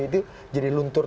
itu jadi luntur